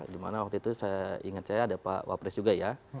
dimana waktu itu saya ingat saya ada pak wapres juga ya